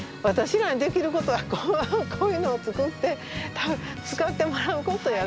私らにできることはこういうのを作って使ってもらうことやな。